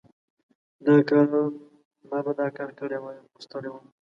ما به دا کار کړی وای، خو ستړی وم.